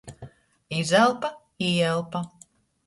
Izelpa, īelpa.